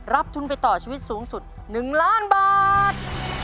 ทุนไปต่อชีวิตสูงสุด๑ล้านบาท